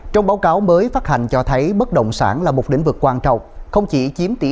trong báo cáo mới phát hành cho thấy bất động sản là một lĩnh vực quan trọng không chỉ chiếm tỷ